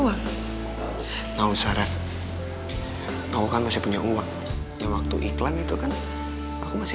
angsa sendiri engkau